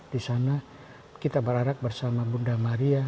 di sana kita berharap bersama bunda maria